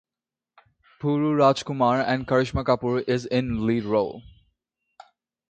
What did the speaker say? Puru Raaj Kumar and Karisma Kapoor is in lead role.